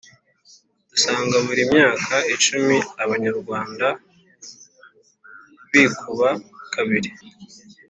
dusanga buri myaka icumi abanyarwanda bikuba kabiri.